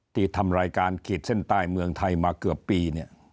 ทำรายการขีดเส้นใต้เมืองไทยมาเกือบปีเนี่ย